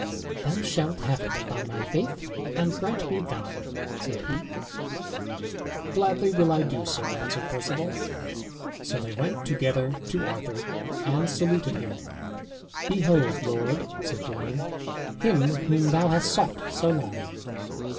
"Thou shalt have it, by my faith; and grant me thine," said he. "Gladly will I do so," answered Perceval. So they went together to Arthur, and saluted him. "Behold, lord," said Gawain, "him whom thou hast sought so long."